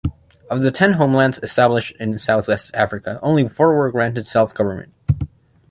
Of the ten homelands established in South West Africa, only four were granted self-government.